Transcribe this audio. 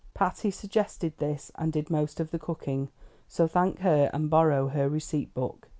Patty suggested this, and did most of the cooking; so thank her, and borrow her receipt book.